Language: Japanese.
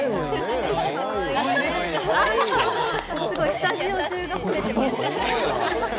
スタジオ中が褒めてます。